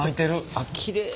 あっきれい。